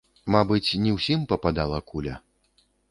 Мабыць, ні ўсім пападала куля.